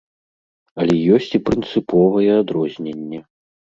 Але ёсць і прынцыповае адрозненне.